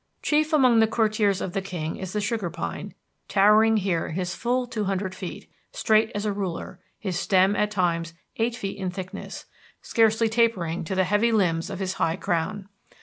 Chief among the courtiers of the king is the sugar pine, towering here his full two hundred feet, straight as a ruler, his stem at times eight feet in thickness, scarcely tapering to the heavy limbs of his high crown.